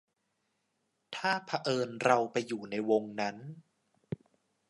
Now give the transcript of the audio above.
ถ้าเผอิญเราไปอยู่ในวงนั้น